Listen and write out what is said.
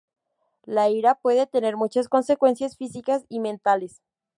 La ira puede tener muchas consecuencias físicas y mentales.